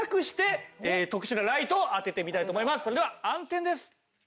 一度それでは暗転です。